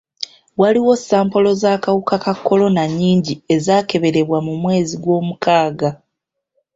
Waliwo sampolo z'akawuka ka kolona nnyingi ezaakeberebwa mu mwezi gwomukaaga.